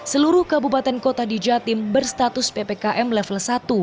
seluruh kabupaten kota di jatim berstatus ppkm level satu